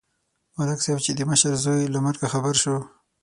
ملک صاحب چې د مشر زوی له مرګه خبر شو.